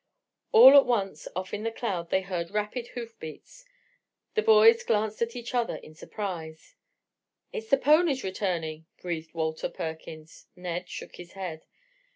All at once off in the cloud they heard rapid hoofbeats. The boys glanced at each other in surprise. "It's the ponies returning," breathed Walter Perkins. Ned shook his head.